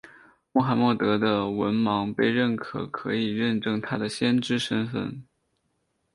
穆罕默德的文盲被认为可以认证他的先知身份。